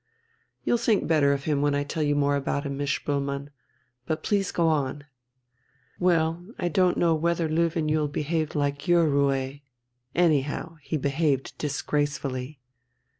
"You'll think better of him when I tell you more about him, Miss Spoelmann. But please go on!" "Well, I don't know whether Löwenjoul behaved like your roué. Anyhow he behaved disgracefully."